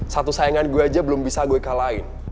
satu sayangan gue aja belum bisa gue kalahin